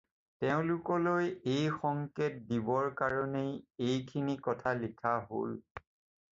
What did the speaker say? তেওঁলোকলৈ এই সঙ্কেত দিবৰ কাৰণেই এইখিনি কথা লিখা হ'ল।